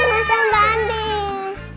waalaikumsalam mbak andin